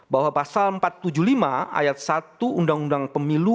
bahwa pasal empat ratus tujuh puluh lima ayat satu undang undang pemilu